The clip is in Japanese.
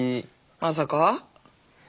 まさか。